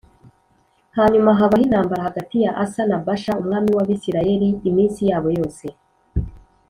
Hanyuma habaho intambara hagati ya Asa na Bāsha umwami w’Abisirayeli iminsi yabo yose